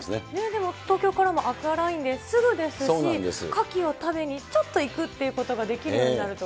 でも東京からもアクアラインですぐですし、カキを食べにちょっと行くっていうことができるよ